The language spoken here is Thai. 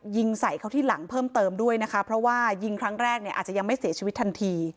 ยิงใส่เขาที่หลังเพิ่มเติมด้วยนะคะเพราะว่ายิงครั้งแรกเนี่ยอาจจะยังไม่เสียชีวิตทันที